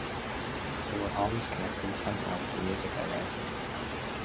And they were always connected somehow with the music I write.